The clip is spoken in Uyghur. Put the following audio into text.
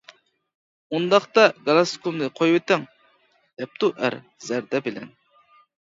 -ئۇنداقتا گالىستۇكۇمنى قويۇۋېتىڭ-دەپتۇ ئەر زەردە بىلەن.